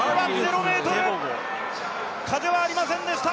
風はありませんでした。